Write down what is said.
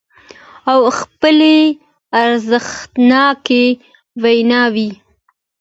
او خپلې ارزښتناکې ويناوې